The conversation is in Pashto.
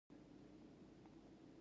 خاکشیر د ګرمۍ لپاره څښل کیږي.